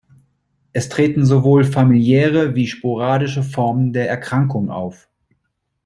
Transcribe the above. Es treten sowohl familiäre wie sporadische Formen der Erkrankung auf.